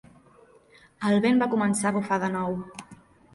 El vent va començar a bufar de nou.